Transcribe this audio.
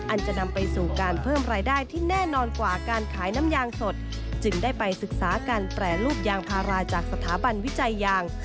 จะนำไปสู่การเพิ่มรายได้ที่แน่นอนกว่าการขายน้ำยางสดจึงได้ไปศึกษาการแปรรูปยางพาราจากสถาบันวิจัยยาง